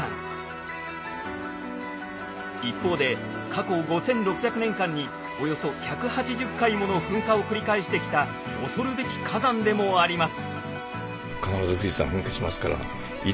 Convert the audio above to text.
一方で過去５，６００年間におよそ１８０回もの噴火を繰り返してきた恐るべき火山でもあります。